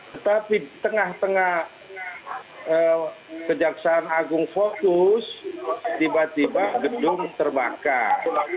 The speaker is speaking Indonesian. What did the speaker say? tetapi tengah tengah kejaksaan agung fokus tiba tiba gedung terbakar